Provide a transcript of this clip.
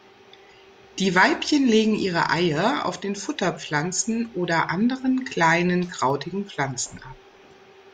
Die Weibchen legen ihre Eier auf den Futterpflanzen oder anderen kleinen, krautigen Pflanzen ab.